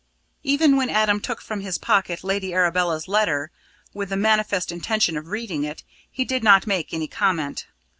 Even when Adam took from his pocket Lady Arabella's letter, with the manifest intention of reading it, he did not make any comment.